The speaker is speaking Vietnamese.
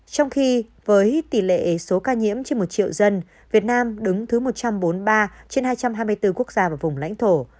trong khi với tỷ lệ số ca nhiễm trên một triệu dân việt nam đứng thứ một trăm bốn mươi ba trên hai trăm hai mươi bốn quốc gia và vùng lãnh thổ